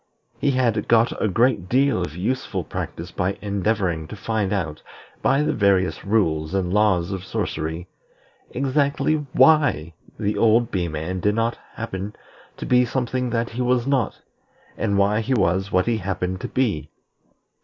He had got a great deal of useful practice by endeavoring to find out, by the various rules and laws of sorcery, exactly why the old Bee man did not happen to be something that he was not, and why he was what he happened to be.